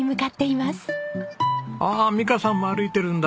ああ美香さんも歩いてるんだ。